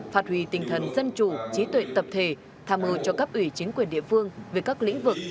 phạt hủy tinh thần dân chủ trí tuệ tập thể tham ưu cho các ủy chính quyền địa phương về các lĩnh vực